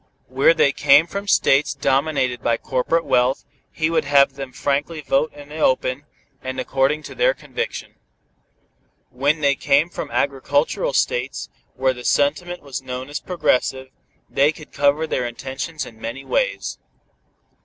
Where they came from States dominated by corporate wealth, he would have them frankly vote in the open, and according to their conviction. When they came from agricultural States, where the sentiment was known as "progressive," they could cover their intentions in many ways.